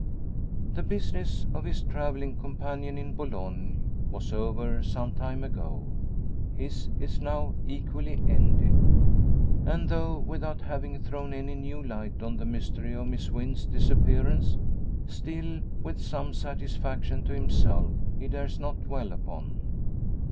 The business of his travelling companion in Boulogne was over some time ago. His is now equally ended; and though without having thrown any new light on the mystery of Miss Wynn's disappearance, still with some satisfaction to himself, he dares not dwell upon.